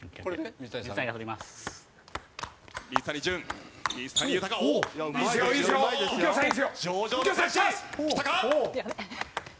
水谷隼きた！